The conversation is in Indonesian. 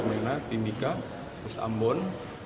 kemudian timika terus ambon